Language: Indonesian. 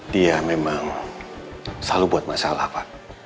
dia memang selalu buat masalah apa